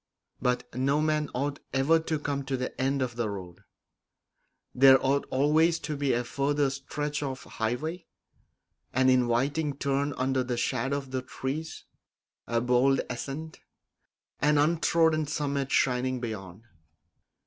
But no man ought ever to come to the end of the road; there ought always to be a further stretch of highway, an inviting turn under the shadow of the trees, a bold ascent, an untrodden summit shining beyond.